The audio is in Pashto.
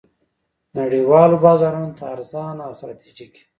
نړیوالو بازارونو ته ارزانه او ستراتیژیکې